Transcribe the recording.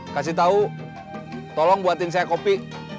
kasih tahu tolong buatin saya kopi